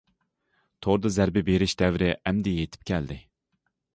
توردا زەربە بېرىش دەۋرى ئەمدى يېتىپ كەلدى.